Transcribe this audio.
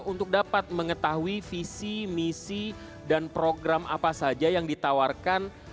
untuk dapat mengetahui visi misi dan program apa saja yang ditawarkan